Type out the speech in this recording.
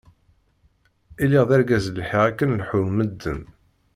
lliɣ d argaz lḥiɣ akken leḥḥun medden.